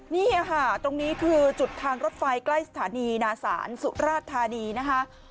นี่ค่ะตรงนี้คือจุดทางรถไฟใกล้สถานีนาศาลสุราชธานีนะคะ